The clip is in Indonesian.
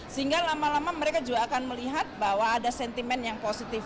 sehingga lama lama mereka juga akan melihat bahwa ada sentimen yang positif